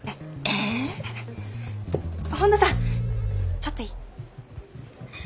ちょっといい？